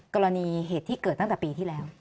กรณีเหตุที่เกิดตั้งแต่ปีที่แล้ว